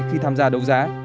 khi tham gia đấu giá